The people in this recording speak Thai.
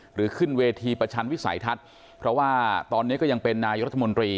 ขึ้นเวทีประชันวิสัยทัศน์เพราะว่าตอนนี้ก็ยังเป็นนายกรัฐมนตรี